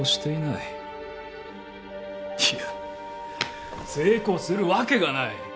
いや成功するわけがない。